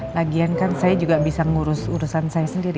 lagian kan saya juga bisa ngurus urusan saya sendiri